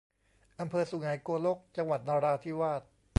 อำเภอสุไหงโกลก จังหวัดนราธิวาส